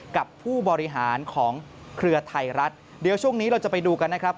กับผู้บริหารของเครือไทยรัฐเดี๋ยวช่วงนี้เราจะไปดูกันนะครับ